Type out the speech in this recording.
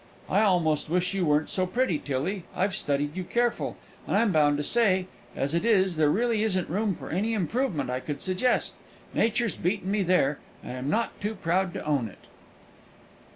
I almost wish you weren't so pretty, Tillie. I've studied you careful, and I'm bound to say, as it is there really isn't room for any improvement I could suggest. Nature's beaten me there, and I'm not too proud to own it."